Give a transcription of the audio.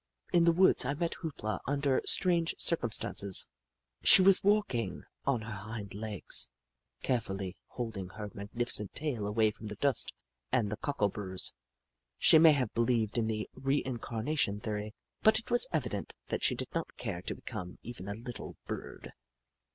In the woods I met Hoop La under strange cir cumstances. She was walking on her hind legs, carefully holding her magnificent tail away from the dust and the cockleburrs. She may have believed in the re incarnation theory, but it was evident that she did not care to become even a little burred.